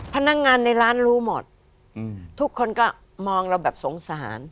พนักงานในร้านรู้หมดทุกคนก็มองเราแบบสงสาร